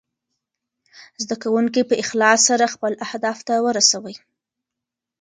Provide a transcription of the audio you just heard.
زده کونکي په اخلاص سره خپل اهداف ته ورسوي.